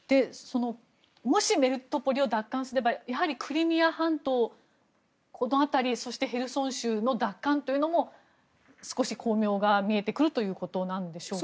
もしメリトポリを奪還すればやはりクリミア半島、この辺りへルソン州の奪還というのも少し光明が見えてくるということでしょうか。